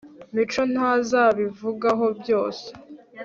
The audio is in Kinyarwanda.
mico ntazabivugaho byose